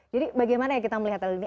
jadi bagaimana ya kita melihat hal ini